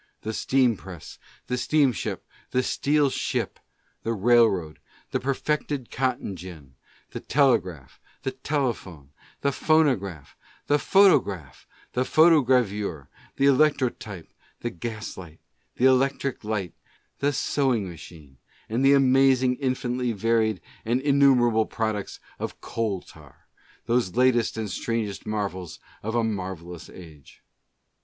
The steam press, the steamship, the steel ship, the railroad, the perfected cotton gin, the telegraph, the telephone, the phonograph, the photograph, the photogravure, the electrotype, the gaslight, the electric light, the sewing machine, and the amazing, infinitely varied and in numerable products of coal tar, those latest and strangest marvels of a marvelous age.